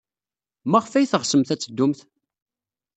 Maɣef ay teɣsemt ad teddumt?